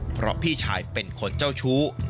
เพราะพี่ชายเป็นคนเจ้าชู้